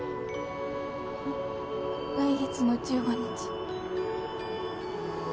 来月の１５日。